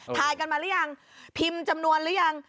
ถ่ายกันมาหรือยังพิมพ์จำนวนหรือยัง